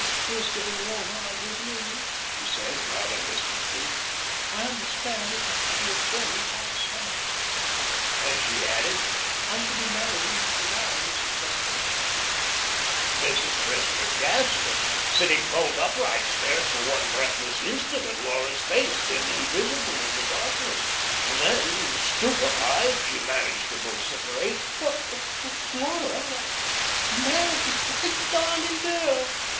"It is getting warmer, I do believe," she said, rather listlessly. "I understand it is to be a very hot summer." Then she added, "I'm to be married in July, Mrs. Cressler." Mrs. Cressler gasped, and sitting bolt upright stared for one breathless instant at Laura's face, dimly visible in the darkness. Then, stupefied, she managed to vociferate: "What! Laura! Married? My darling girl!"